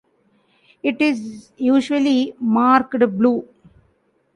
It is usually marked blue.